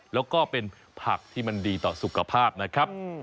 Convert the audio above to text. แล้วก็เป็นผักที่มันดีต่อสุขภาพนะครับ